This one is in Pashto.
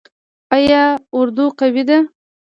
آیا اردو قوي ده؟